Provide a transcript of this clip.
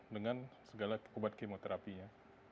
dengan segala kekuat kemoterapinya